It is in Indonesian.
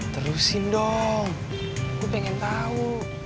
terusin dong gue pengen tau